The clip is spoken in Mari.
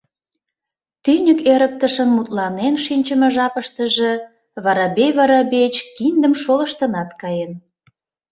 Тӱньык эрыктышын мутланен шинчыме жапыштыже Воробей Воробеич киндым шолыштынат каен.